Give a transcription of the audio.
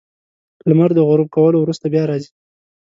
• لمر د غروب کولو وروسته بیا راځي.